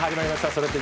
「それって！？